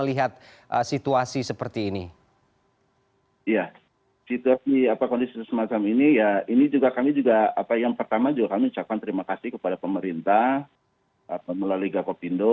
lihat leaning di belakang kamu outtakes pulak